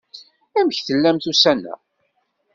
Amek tellamt ussan-a?